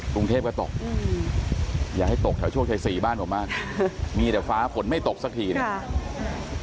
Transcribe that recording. กรุงเทพก็ตกอย่าให้ตกแถวโชคชัยสี่บ้านผมมากมีแต่ฟ้าฝนไม่ตกสักทีเนี่ย